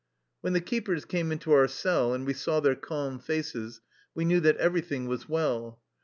When the keepers came into our cell and we saw their calm faces we knew that everything was well.